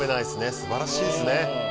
素晴らしいですね